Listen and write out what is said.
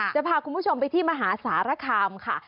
จะพาคุณผู้ชมไปที่มหาสารคามค่ะ